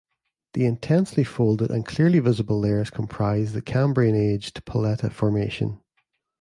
The intensely folded and clearly visible layers comprise the Cambrian-aged Poleta formation.